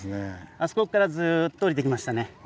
あそこからずっと下りてきましたね。